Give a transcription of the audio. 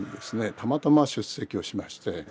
たまたま出席をしまして。